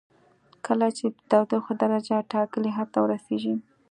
کله چې د تودوخې درجه ټاکلي حد ته ورسیږي.